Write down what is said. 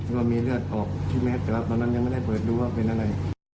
ก็มีเลือดออกที่แมสแต่ว่าตอนนั้นยังไม่ได้เปิดดูว่าเป็นอะไร